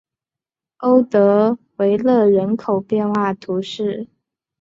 欧德维勒人口变化图示